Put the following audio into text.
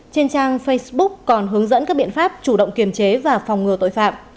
trên trang facebook còn hướng dẫn các biện pháp chủ động kiềm chế và phòng ngừa tội phạm